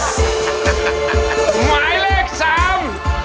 หมายเลขสาม